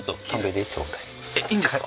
えっいいんですか？